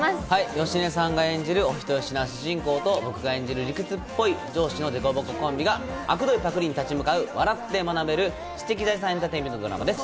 芳根さんが演じるお人好しな主人公と僕が演じる理屈っぽい上司の凸凹コンビが、あくどいパクりに立ち向かう笑って学べる知的財産エンタメドラマです。